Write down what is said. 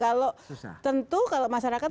kalau tentu kalau masyarakat